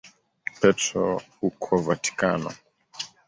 Petro huko Vatikano.